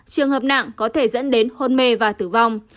trường hợp nặng có thể dẫn đến hôn mê và tử vong